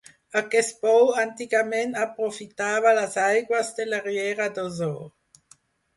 Aquest pou antigament aprofitava les aigües de la riera d'Osor.